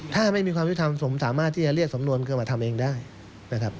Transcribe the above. ถ้าไม่มีความยุทธรรมสมสามารถที่จะเรียกสำนวนขึ้นมาทำเองได้นะครับ